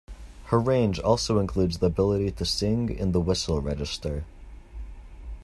Her range also includes the ability to sing in the whistle register.